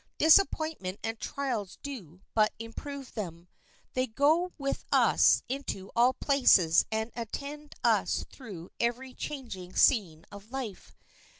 Disappointment and trials do but improve them; they go with us into all places and attend us through every changing scene of life.